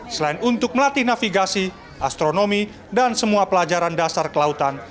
selain untuk melatih navigasi astronomi dan semua pelajaran dasar kelautan